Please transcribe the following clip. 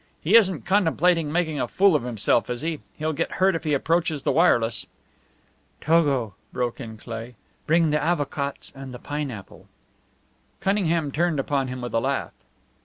"He isn't contemplating making a fool of himself, is he? He'll get hurt if he approaches the wireless." "Togo," broke in Cleigh, "bring the avocats and the pineapple." Cunningham turned upon him with a laugh.